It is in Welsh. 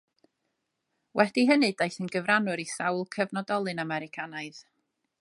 Wedi hynny daeth yn gyfrannwr i sawl cyfnodolyn Americanaidd.